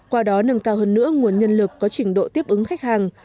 qua đó nâng cao hơn nữa nguồn nhân lực có trình độ tiếp ứng khách hàng